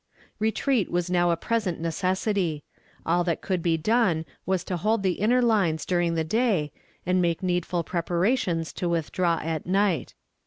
Retreat was now a present necessity. All that could be done was to hold the inner lines during the day, and make needful preparations to withdraw at night.